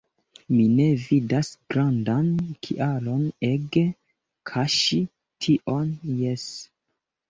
Mi ne vidas grandan kialon ege kaŝi tion – jes.